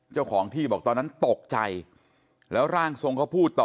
เจ้าของที่บอกตอนนั้นตกใจแล้วร่างทรงเขาพูดต่อ